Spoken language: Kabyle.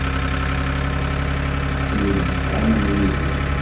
Ttemsefhamen yid-i.